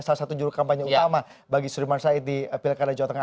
salah satu juru kampanye utama bagi sudirman said di pilkada jawa tengah